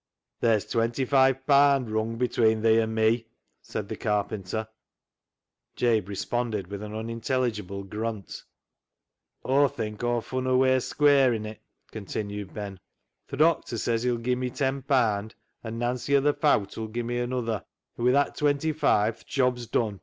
" There's twenty five paand wrung between thee an' me," said the carpenter Jabe responded with an unintelligible grunt. " Aw think Aw've fun a way o' squaring it," continued Ben. " Th' doctor says he'll gie me ten paand and Nancy o' th' Fowt 'ull gie me anuther, an' wi' that twenty five th' job's dun."